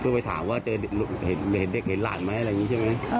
เพื่อไปถามว่าเจอเห็นเด็กเห็นหลานไหมอะไรอย่างนี้ใช่ไหม